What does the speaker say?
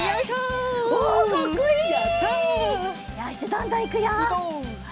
どんどんいくよ！